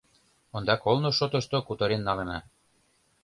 — Ондак олно шотышто кутырен налына.